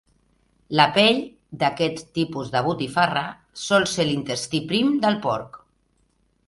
La pell d'aquest tipus de botifarra sol ser l'intestí prim del porc.